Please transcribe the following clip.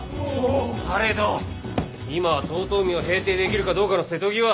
されど今は遠江を平定できるかどうかの瀬戸際。